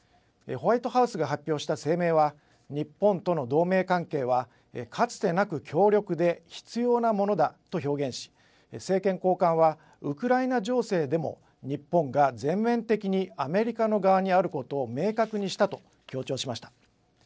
ホワイトハウスが発表した声明は、日本との同盟関係はかつてなく強力で必要なものだと表現し、政権高官は、ウクライナ情勢でも日本が全面的にアメリカの側にあることを明確にしたと強調しました。